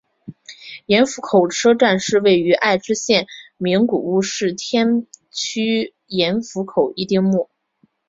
盐釜口车站是位于爱知县名古屋市天白区盐釜口一丁目。